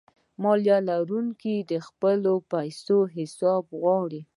مالیه ورکونکي د خپلو پیسو حساب غواړي.